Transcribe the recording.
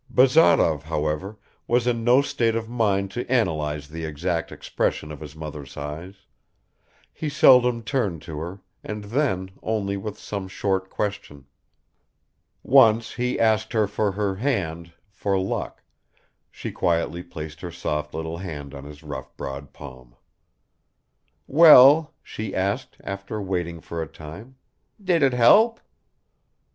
Bazarov, however, was in no state of mind to analyze the exact expression of his mother's eyes; he seldom turned to her and then only with some short question. Once he asked her for her hand "for luck"; she quietly placed her soft little hand on his rough broad palm. "Well," she asked after waiting for a time, "did it help?"